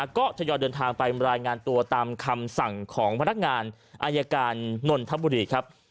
ก็ทยอยเดินทางไปรายงานตัวตามคำสั่งของพนักงานอายการนนทบุรีครับ